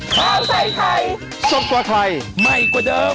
เผ้าใส่ไข่ซบกว่าไข่ไหม้กว่าเดิม